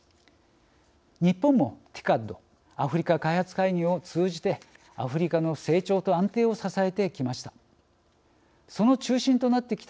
日本もＴＩＣＡＤ＝アフリカ開発会議を通じてアフリカの成長と安定を支えてきました。